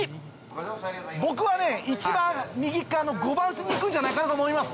僕はね一番右側の５番線に行くんじゃないかなと思います。